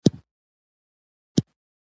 ای زما د زړه سره او د سترګو توره.